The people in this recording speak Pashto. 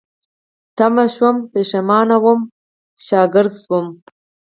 تم شوم، پيښمانه وم، شاګرځ شوم